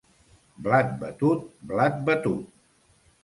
Blat batut, blat batut!